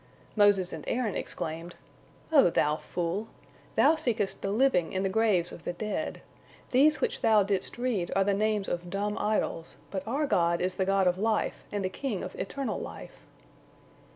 Moses and Aaron exclaimed: "O thou fool! Thou seekest the Living in the graves of the dead. These which thou didst read are the names of dumb idols, but our God is the God of life and the King of eternal life."